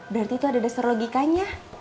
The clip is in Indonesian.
berarti itu ada dasar logikanya